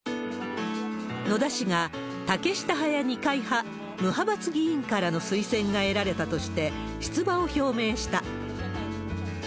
野田氏が竹下派や二階派、無派閥議員からの推薦が得られたとして出馬を表明した。